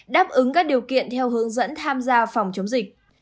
đáp ứng các điều kiện theo hướng dẫn tham gia phòng chống dịch